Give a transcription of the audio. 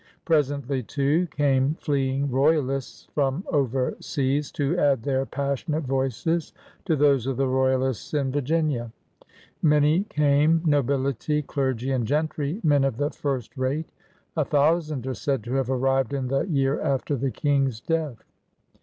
Presently, too, came fleeing royalists from overseas, to add their passionate voices to those of the royalists in Virginia. Many came, "nobility, clergy and gentry, men of the first rate. '' A thousand are said to have arrived in the year alter the King's death.